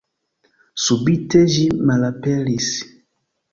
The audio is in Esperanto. Subite ĝi malaperis.